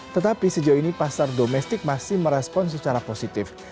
tetapi sejauh ini pasar domestik masih merespon secara positif